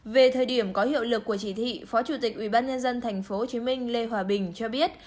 về thời điểm có hiệu lực của chỉ thị phó chủ tịch ubnd tp hcm lê hòa bình cho biết